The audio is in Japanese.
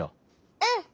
うん！